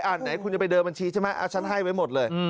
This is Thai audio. ไหนคุณจะไปเดินบัญชีใช่ไหมฉันให้ไว้หมดเลย